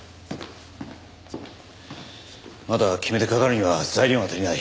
まだ決めてかかるには材料が足りない。